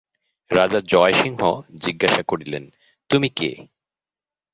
রাজা জয়সিংহ জিজ্ঞাসা করিলেন, তুমি কে?